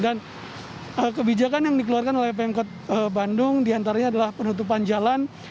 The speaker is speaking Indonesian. dan kebijakan yang dikeluarkan oleh pemkot bandung diantaranya adalah penutupan jalan